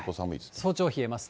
早朝冷えますね。